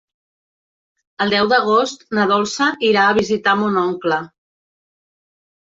El deu d'agost na Dolça irà a visitar mon oncle.